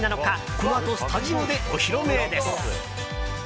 このあとスタジオでお披露目です。